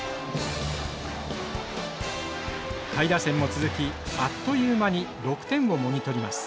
下位打線も続きあっという間に６点をもぎ取ります。